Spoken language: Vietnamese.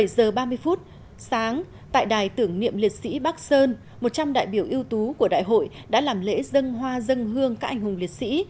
bảy giờ ba mươi phút sáng tại đài tưởng niệm liệt sĩ bắc sơn một trăm linh đại biểu ưu tú của đại hội đã làm lễ dân hoa dân hương các anh hùng liệt sĩ